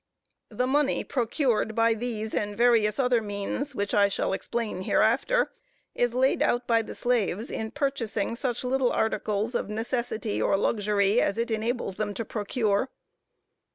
The money procured by these, and various other means, which I shall explain hereafter, is laid out by the slaves in purchasing such little articles of necessity or luxury, as it enables them to procure.